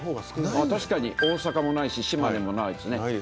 確かに大阪もないし島根もないですね。